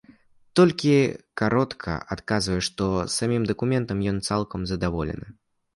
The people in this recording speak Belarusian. Толькі каротка адказвае, што самім дакументам ён цалкам задаволены.